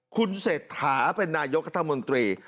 คุณเสถาเป็นนายกกัฎมนตรี